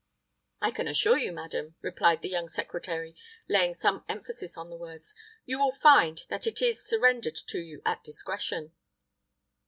"I can assure you, madam," replied the young secretary, laying some emphasis on the words, "you will find that it is surrendered to you at discretion."